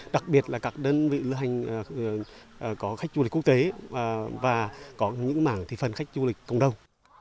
đặc biệt là các đơn vị lưu hành có khách du lịch quốc tế và có những mảng thị phần khách du lịch cộng đồng